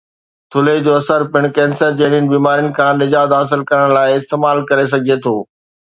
ٿلهي جو اثر پڻ ڪينسر جهڙين بيمارين کان نجات حاصل ڪرڻ لاءِ استعمال ڪري سگهجي ٿو